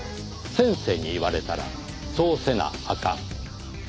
「先生に言われたらそうせなあかん」。